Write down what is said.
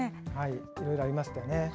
いろいろありましたよね。